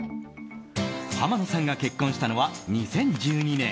浜野さんが結婚したのは２０１２年。